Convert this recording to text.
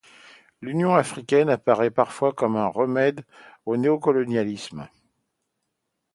L'Union africaine apparaît parfois comme un remède au néocolonialisme.